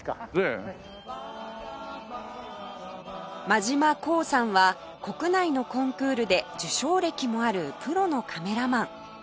真島香さんは国内のコンクールで受賞歴もあるプロのカメラマン